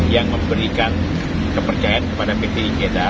yang memberikan kepercayaan kepada pt igeda